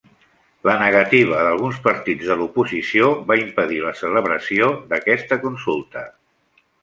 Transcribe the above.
La negativa d'alguns partits de l'oposició va impedir la celebració d'aquesta consulta.